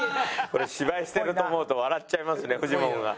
これ芝居してると思うと笑っちゃいますねフジモンが。